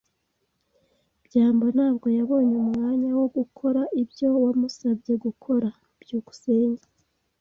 byambo ntabwo yabonye umwanya wo gukora ibyo wamusabye gukora. byukusenge